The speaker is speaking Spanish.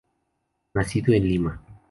Nacido en Lima.